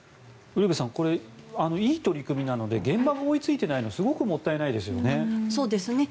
ウルヴェさんこれはいい取り組みなので現場が追いついていないのはすごくもったいないですよね。